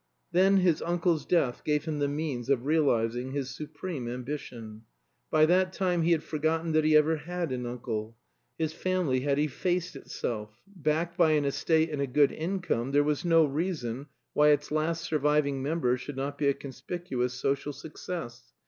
Then his uncle's death gave him the means of realizing his supreme ambition. By that time he had forgotten that he ever had an uncle. His family had effaced itself. Backed by an estate and a good income, there was no reason why its last surviving member should not be a conspicuous social success.